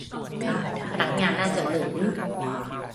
พนักงานน่าจะมึน